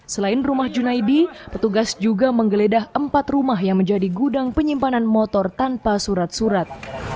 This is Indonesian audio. selain rumah junaidi petugas juga menggeledah empat rumah yang menjadi gudang penyimpanan motor tanpa surat surat